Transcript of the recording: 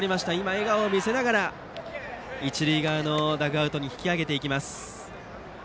笑顔を見せながら一塁側のダグアウトに引き揚げていきます。